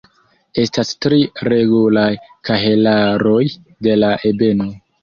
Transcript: Estas tri regulaj kahelaroj de la ebeno.